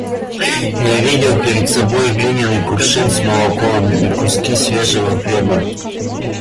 Я видел перед собой глиняный кувшин с молоком и куски свежего хлеба.